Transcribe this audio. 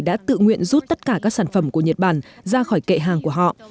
đã tự nguyện rút tất cả các sản phẩm của nhật bản ra khỏi kệ hàng của họ